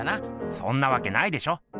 そんなわけないでしょ。